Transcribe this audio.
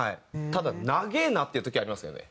ただ長えなっていう時ありますよね。